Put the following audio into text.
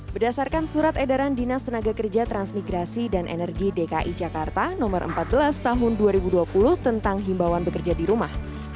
berdasarkan surat edaran dinas tenaga kerja transmigrasi dan energi dki jakarta no empat belas tahun dua ribu dua puluh tentang himbawan bekerja di rumah